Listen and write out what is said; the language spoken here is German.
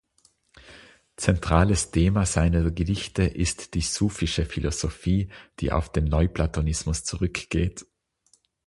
Zentrales Thema seiner Gedichte ist die sufische Philosophie, die auf den Neuplatonismus zurückgeht.